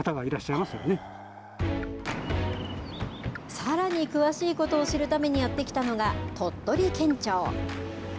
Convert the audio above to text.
さらに詳しいことを知るためにやって来たのが鳥取県庁。